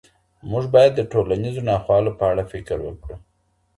موږ باید د ټولنیزو ناخوالو په اړه فکر وکړو.